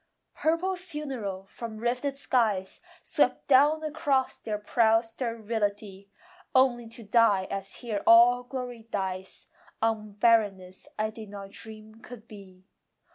Purple funereal from rifted skies Swept down across their proud sterility, Only to die as here all glory dies, On barrenness I did not dream could be.